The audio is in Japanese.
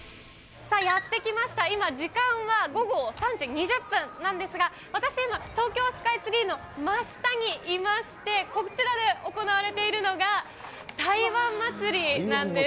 やって来ました、今、時間は午後３時２０分なんですが、私、今、東京スカイツリーの真下にいまして、こちらで行われているのが、台湾祭なんです。